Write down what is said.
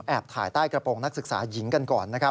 แอบถ่ายใต้กระโปรงนักศึกษาหญิงกันก่อน